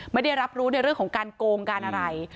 ไม่ได้รับรู้ในเรื่องของการโกงการอะไร